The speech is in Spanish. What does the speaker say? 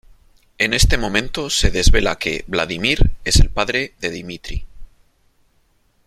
En este momento se desvela que Vladimir es el padre de Dimitri.